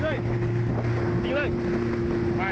ออกไป